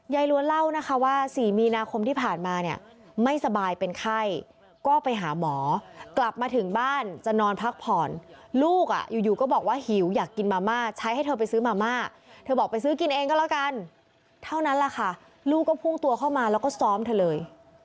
ล้วนเล่านะคะว่า๔มีนาคมที่ผ่านมาเนี่ยไม่สบายเป็นไข้ก็ไปหาหมอกลับมาถึงบ้านจะนอนพักผ่อนลูกอ่ะอยู่ก็บอกว่าหิวอยากกินมาม่าใช้ให้เธอไปซื้อมาม่าเธอบอกไปซื้อกินเองก็แล้วกันเท่านั้นแหละค่ะลูกก็พุ่งตัวเข้ามาแล้วก็ซ้อมเธอเลย